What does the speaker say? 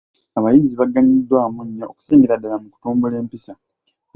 Abayizi baganyuddwamu nnyo okusingira ddala mu kutumbula empisa.